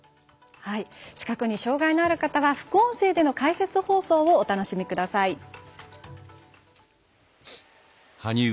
視覚に障がいのある方は副音声での解説放送をお楽しみください。